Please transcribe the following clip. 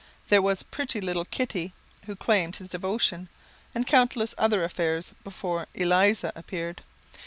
There was a pretty little "Kitty" who claimed his devotion, and countless other affairs, before "Eliza" appeared.